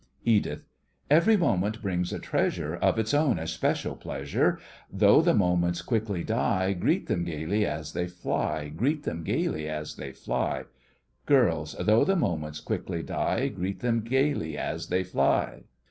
EDITH: Every moment brings a treasure Of its own especial pleasure; Though the moments quickly die, Greet them gaily as they fly, Greet them gaily as they fly. GIRLS: Though the moments quickly die, Greet them gaily as they fly.